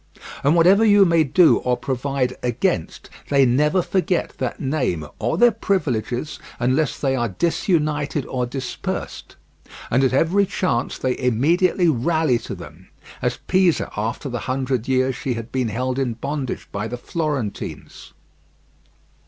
And whatever you may do or provide against, they never forget that name or their privileges unless they are disunited or dispersed, but at every chance they immediately rally to them, as Pisa after the hundred years she had been held in bondage by the Florentines.